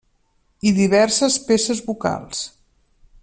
I diverses peces vocals.